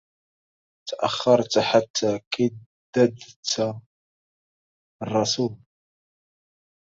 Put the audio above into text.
تأخرت حتى كددت الرسول